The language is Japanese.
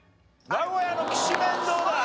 名古屋のきしめんどうだ？